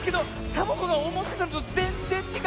サボ子のおもってたのとぜんぜんちがう！